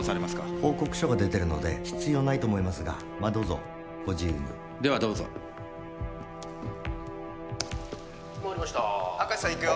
報告書が出てるので必要ないと思いますがどうぞご自由にではどうぞ回りました明石さんいくよ